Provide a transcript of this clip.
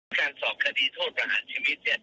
การสอบคดีโทษประหารชีวิต